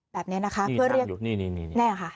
แบบนี้นะคะเพื่อเรียกหยุดนี่ค่ะ